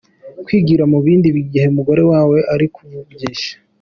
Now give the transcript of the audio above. Kwigira mu bindi igihe umugore wawe ari kukuvugisha.